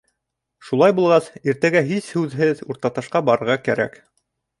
Шулай булғас, иртәгә һис һүҙһеҙ Уртаташҡа барырға кәрәк.